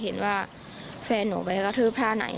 เห็นว่าแฟนหนูไปกระทืบท่าไหน